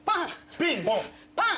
ピンポンパン。